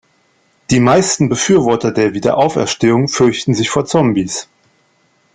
Die meisten Befürworter der Wiederauferstehung fürchten sich vor Zombies.